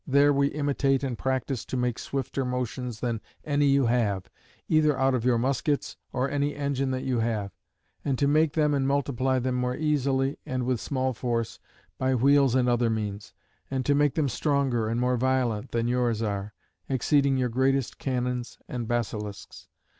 There we imitate and practise to make swifter motions than any you have, either out of your muskets or any engine that you have: and to make them and multiply them more easily, and with small force, by wheels and other means: and to make them stronger and more violent than yours are; exceeding your greatest cannons and basilisks.